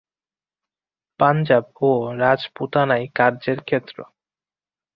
পাঞ্জাব ও রাজপুতানাই কার্যের ক্ষেত্র।